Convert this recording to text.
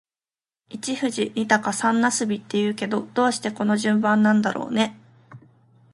一富士、二鷹、三茄子って言うけど、どうしてこの順番なんだろうね。